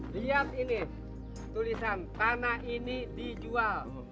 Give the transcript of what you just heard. lihat ini tulisan tanah ini dijual